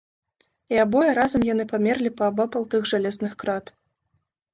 І абое разам яны памерлі паабапал тых жалезных крат.